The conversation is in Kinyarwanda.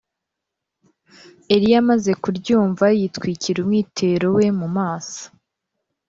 Eliya amaze kuryumva yitwikira umwitero we mu maso